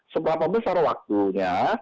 seberapa besar waktunya